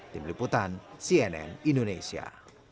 tim liputan cnn indonesia